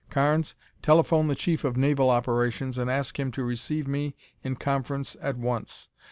Carnes, telephone the Chief of Naval Operations and ask him to receive me in conference at once.